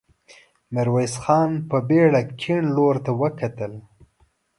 ميرويس خان په بېړه کيڼ لور ته وکتل.